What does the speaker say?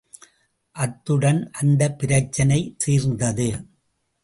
அத்துடன் அந்தப் பிரச்னை தீர்ந்தது.